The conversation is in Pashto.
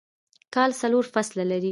کال څلور فصلونه لري